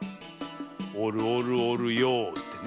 おるおるおるよってね。